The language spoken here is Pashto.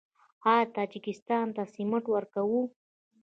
آیا تاجکستان ته سمنټ ورکوو؟